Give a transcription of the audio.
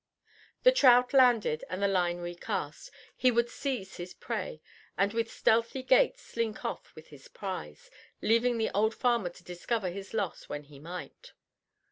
The trout landed and the line re cast, he would seize his prey, and with stealthy gait slink off with his prize, leaving the old farmer to discover his loss when he might.